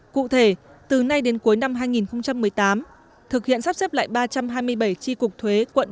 cụ thể từ nay đến cuối năm hai nghìn một mươi tám thực hiện sắp xếp lại ba trăm hai mươi bảy tri cục thuế quận